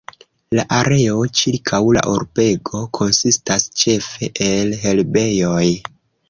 La areo ĉirkaŭ la urbego konsistas ĉefe el herbejoj.